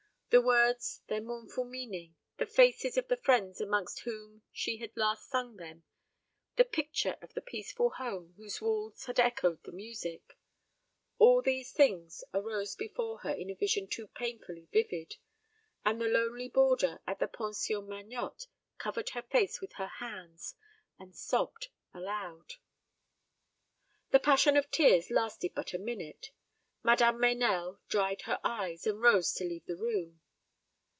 The words, their mournful meaning, the faces of the friends amongst whom she had last sung them, the picture of the peaceful home whose walls had echoed the music, all these things arose before her in a vision too painfully vivid; and the lonely boarder at the Pension Magnotte covered her face with her hands, and sobbed aloud. The passion of tears lasted but a minute. Madame Meynell dried her eyes, and rose to leave the room.